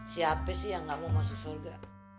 siapa sih yang gak mau masuk surga